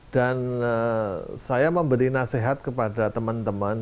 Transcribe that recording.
dan saya memberi nasihat kepada teman teman